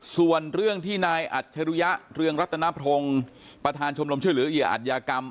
ส่วนเรื่องที่นายอัจฉรุยะเรื่องรัฐนาพรงค์ประธานชมรมชื่อหรืออิยะอัจยากรรม